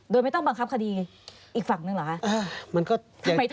โดยไม่ต้องบังคับคดีอีกฝั่งนึงเหรอคะ